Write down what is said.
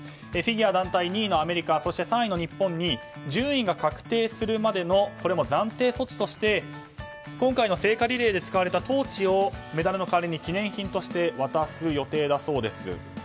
フィギュア団体、２位のアメリカそして３位の日本に順位が確定するまでの暫定措置として今回の聖火リレーで使われたトーチをメダルの代わりに記念品として渡す予定だそうです。